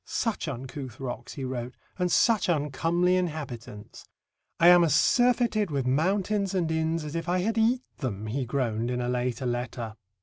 "Such uncouth rocks," he wrote, "and such uncomely inhabitants." "I am as surfeited with mountains and inns as if I had eat them," he groaned in a later letter.